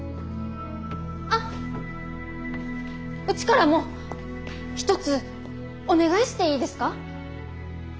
あっうちからも一つお願いしていいですか？